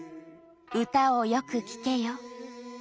「歌をよく聴けよ」。